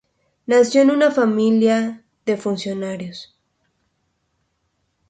Nació en una familia de funcionarios.